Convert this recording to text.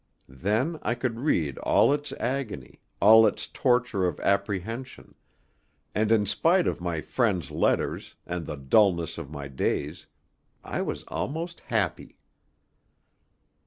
Then I could read all its agony, all its torture of apprehension: and in spite of my friend's letters, and the dulness of my days, I was almost happy.